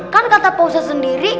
kan kata pak ustadz sendiri